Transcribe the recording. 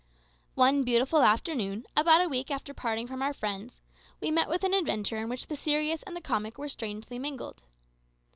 One beautiful afternoon, about a week after parting from our friends, we met with an adventure in which the serious and the comic were strangely mingled.